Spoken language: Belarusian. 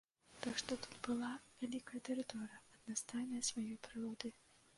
Так што тут была вялікая тэрыторыя, аднастайная сваёй прыродай.